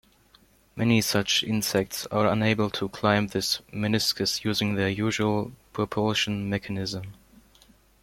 Many such insects are unable to climb this meniscus using their usual propulsion mechanism.